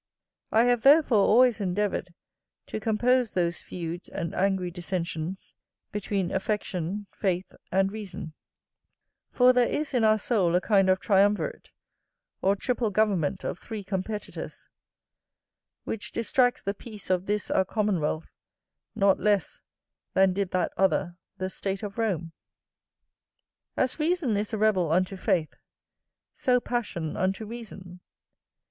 I have therefore always endeavoured to compose those feuds and angry dissensions between affection, faith, and reason: for there is in our soul a kind of triumvirate, or triple government of three competitors, which distracts the peace of this our commonwealth not less than did that other the state of Rome. As reason is a rebel unto faith, so passion unto reason.